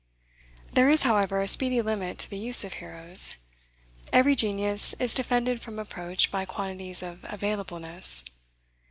There is, however, a speedy limit to the use of heroes. Every genius is defended from approach by quantities of availableness.